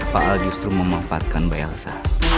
pak al justru memanfaatkan mbak elsa